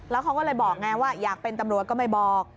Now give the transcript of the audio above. แล้วเขาก็เลยบอกไงว่าอยากเป็นตำรวจก็ไม่บอก